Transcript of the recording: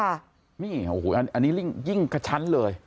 อันนี้ยิ่งกระชั้นเลย